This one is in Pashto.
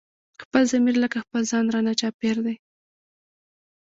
خپل ضمير لکه خپل ځان رانه چاپېر دی